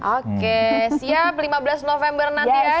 oke siap lima belas november nanti ya